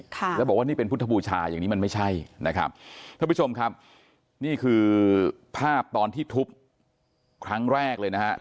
ท่านผู้ชมครับนี่คือภาพตอนที่ทุบครั้งแรกเลยนะฮะ